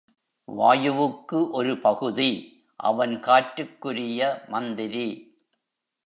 வாயுவுக்கு ஒரு பகுதி அவன் காற்றுக்குரிய மந்திரி.